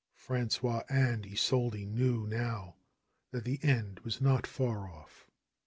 Frangois and Isolde knew now that the end was not far off.